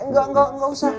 enggak enggak enggak usah